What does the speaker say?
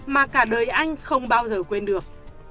mà cả đời anh không bao giờ quên được